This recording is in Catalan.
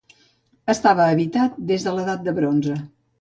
Estava habitat des de l'Edat del Bronze.